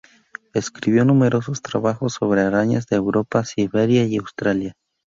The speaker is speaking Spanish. Escribió numerosos trabajos sobre arañas de Europa, Siberia y Australia.